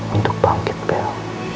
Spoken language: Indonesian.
untuk bangkit bell